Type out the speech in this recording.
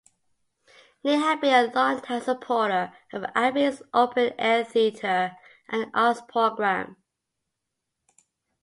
Neal had been a longtime supporter of the abbey's open-air theatre and arts program.